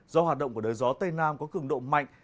do hoạt động của đới gió tây nam có cường độ mạnh